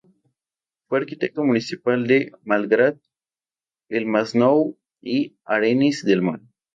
Fue arquitecto municipal de Malgrat, el Masnou y Arenys de Mar.